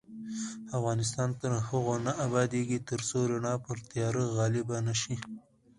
افغانستان تر هغو نه ابادیږي، ترڅو رڼا پر تیاره غالبه نشي.